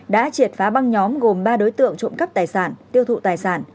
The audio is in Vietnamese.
đã triệt phá băng nhóm gồm ba đối tượng trộm cắp tài sản tiêu thụ tài sản